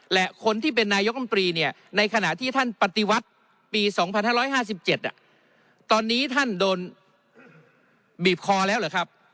และคนที่เป็นนายกรรมตรีเนี่ยในขณะที่ท่านปฏิวัติปี๒๕๕๗ตอนนี้ท่านโดนบีบคอแล้วเหรอครับ